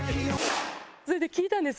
それで聞いたんです。